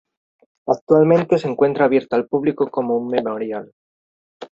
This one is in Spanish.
Actualmente se encuentra abierto al público como un memorial.